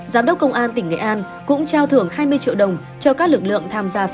và bộ đồng tỉnh nghệ an đã trích quỹ phòng chống tội phạm